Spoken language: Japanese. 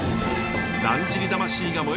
だんじり魂が燃えさかる